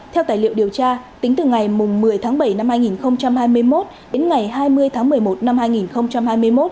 theo tài liệu điều tra tính từ ngày một mươi tháng bảy năm hai nghìn hai mươi một đến ngày hai mươi tháng một mươi một năm hai nghìn hai mươi một